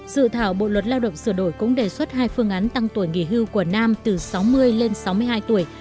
dự thảo bộ luật lao động sửa đổi cũng đề xuất hai phương án tăng tuổi nghỉ hưu của nam từ sáu mươi lên sáu mươi hai tuổi